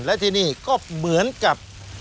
และที่นี่ก็เหมือนกับ